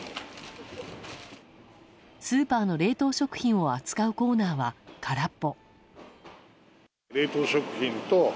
スーパーの冷凍食品を扱うコーナーは空っぽ。